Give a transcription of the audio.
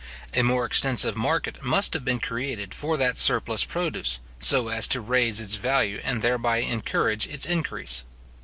A more extensive market must have been created for that surplus produce, so as to raise its value, and thereby encourage its increase.